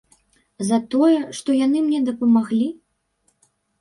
За тое, што яны мне дапамаглі?